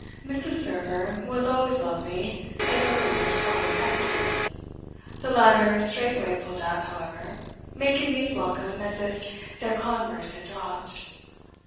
Mrs. Server was always lovely and Obert always expert; the latter straightway pulled up, however, making me as welcome as if their converse had dropped.